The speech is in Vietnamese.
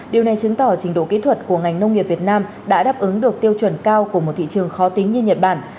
điều này chứng tỏ trình độ kỹ thuật của ngành nông nghiệp việt nam đã đáp ứng được tiêu chuẩn cao của một thị trường khó tính như nhật bản